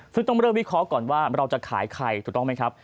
ซึ่งต้องเริ่มวิเคราะห์ก่อนว่าเราจะขายใครถูกต้องไหมครับ